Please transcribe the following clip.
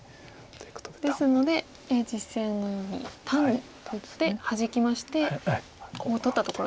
ですので実戦のように単に打ってハジきましてコウを取ったところです。